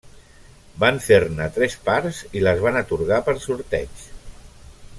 Van fer-ne tres parts i les van atorgar per sorteig.